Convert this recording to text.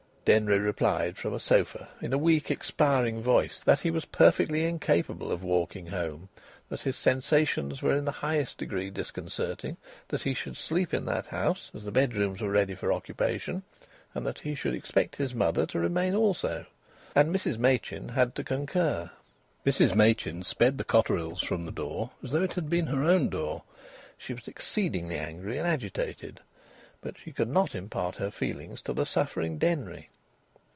Denry replied, from a sofa, in a weak, expiring voice, that he was perfectly incapable of walking home, that his sensations were in the highest degree disconcerting, that he should sleep in that house, as the bedrooms were ready for occupation, and that he should expect his mother to remain also. And Mrs Machin had to concur. Mrs Machin sped the Cotterills from the door as though it had been her own door. She was exceedingly angry and agitated. But she could not impart her feelings to the suffering Denry.